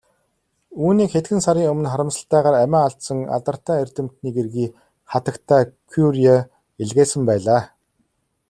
Үүнийг хэдхэн сарын өмнө харамсалтайгаар амиа алдсан алдартай эрдэмтний гэргий хатагтай Кюре илгээсэн байлаа.